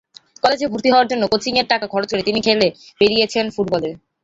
কলেজে ভর্তি হওয়ার জন্য কোচিংয়ের টাকা খরচ করে তিনি খেলে বেড়িয়েছেন ফুটবল।